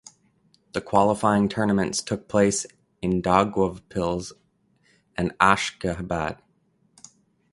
The qualifying tournaments took place in Daugavpils and Ashkhabad.